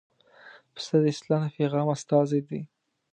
پسه د اسلام د پیغام استازی دی.